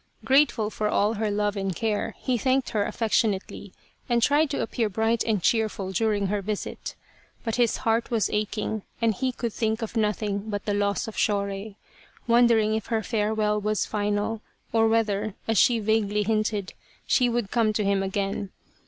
Grateful for all her love and care, he thanked her affectionately and tried to appear bright and cheerful during her visit. But his heart was aching, and he could think of nothing but of the loss of Shorei, wondering if her farewell was final, or whether, as she vaguely hinted, she would come to him again.